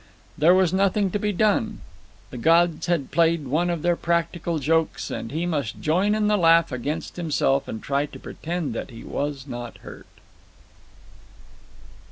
There was nothing to be done. The gods had played one of their practical jokes, and he must join in the laugh against himself and try to pretend that he was not hurt.